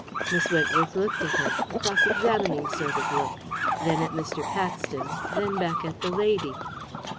Miss Wentworth looked at her a cross examining sort of look then at Mr. Paxton, then back at the lady.